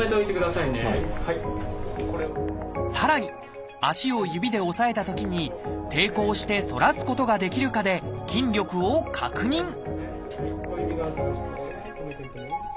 さらに足を指で押さえたときに抵抗して反らすことができるかで筋力を確認